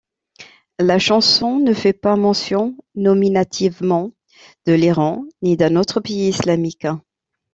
La chanson ne fait pas mention nominativement de l'Iran, ni d'un autre pays islamique.